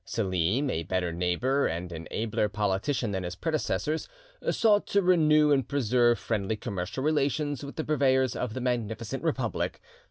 Selim, a better neighbour and an abler politician than his predecessors, sought to renew and preserve friendly commercial relations with the purveyors of the Magnificent Republic.